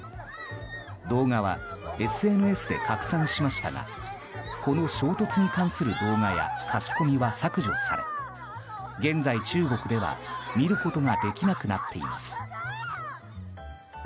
動画はＳＮＳで拡散しましたがこの衝突に関する動画や書き込みは削除され現在、中国では見ることができなくなっています。